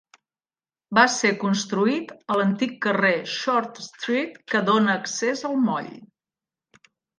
Va ser construït a l'antic carrer Short Street que dóna accés al moll.